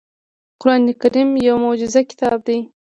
قرآن کریم یو معجز کتاب دی .